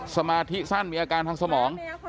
สมาธิสั้นมีอาการทางสมอง